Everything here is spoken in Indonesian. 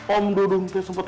om dudung tuh sempat